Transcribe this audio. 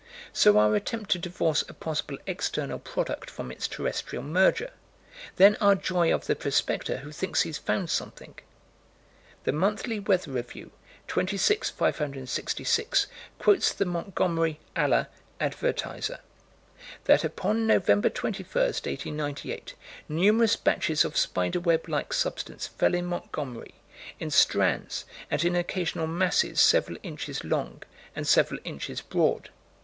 So our attempt to divorce a possible external product from its terrestrial merger: then our joy of the prospector who thinks he's found something: The Monthly Weather Review, 26 566, quotes the Montgomery (Ala.) Advertiser: That, upon Nov. 21, 1898, numerous batches of spider web like substance fell in Montgomery, in strands and in occasional masses several inches long and several inches broad.